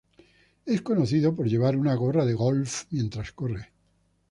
Es conocido por llevar una gorra de golf mientras corre.